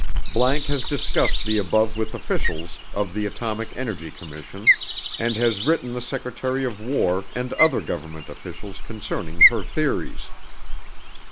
____ has discussed the above with officials of the Atomic Energy Commission, and has written the Secretary of War and other government officials concerning her theories.